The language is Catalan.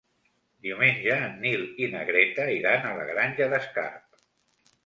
Diumenge en Nil i na Greta iran a la Granja d'Escarp.